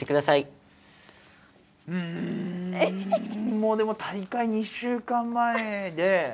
もうでも大会２週間前で。